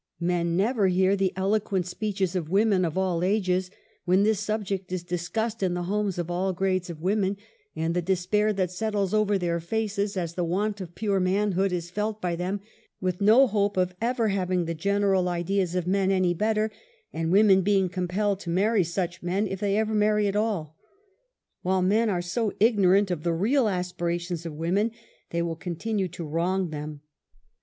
Men never hear the eloquent speeches of women of all ages when this subject is discussed in the homes of all grades of women, and the despair that settles over their faces as the want of pure manhood is felt by them with no hope of ever having the general ideas of men any better, and women being compelled to marry such men if they ever marry at all. While men are so ignorant of the real aspirations of women they will continue to wrong them.